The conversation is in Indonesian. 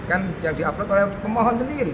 kan yang di upload oleh pemohon sendiri